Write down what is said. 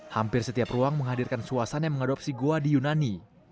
hampir setiap ruang menghadirkan suasana yang mengadopsi goa di yunani